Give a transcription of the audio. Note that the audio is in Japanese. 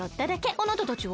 あなたたちは？